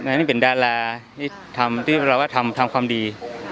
นะนี่เป็นดาราที่เราว่าทำความดี